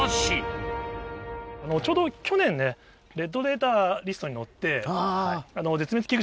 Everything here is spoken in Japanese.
ちょうど去年ね、レッドデータリストに載って、そうですよね。